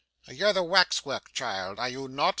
'You're the wax work child, are you not?